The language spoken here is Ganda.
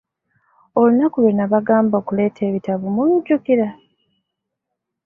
Olunaku lwe nnabagamba okuleeta ebitabo mulujjukira?